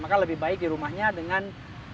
maka lebih baik di rumahnya dengan